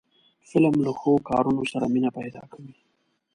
فلم له ښو کارونو سره مینه پیدا کوي